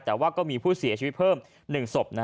แต่ว่าก็มีผู้เสียชีวิตเพิ่ม๑ศพ